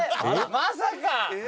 「まさか？